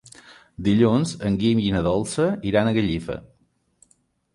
Dilluns en Guim i na Dolça iran a Gallifa.